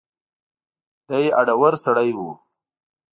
دی هډور سړی و.